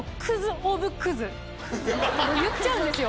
言っちゃうんですよ。